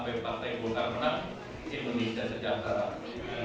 ketua umum partai golkar menang di indonesia sejak hari ini